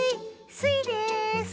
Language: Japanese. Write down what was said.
スイです！